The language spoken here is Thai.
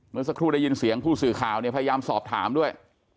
เมื่อสักครู่ได้ยินเสียงผู้สื่อข่าวเนี่ยพยายามสอบถามด้วย